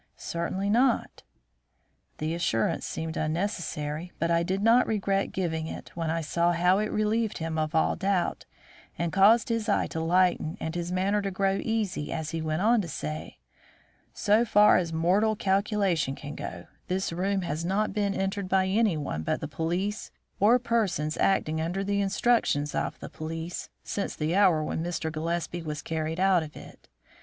"Certainly not." The assurance seemed unnecessary, but I did not regret giving it when I saw how it relieved him of all doubt, and caused his eye to lighten and his manner to grow easy as he went on to say: "So far as mortal calculation can go, this room has not been entered by anyone but the police or persons acting under the instructions of the police, since the hour when Mr. Gillespie was carried out of it.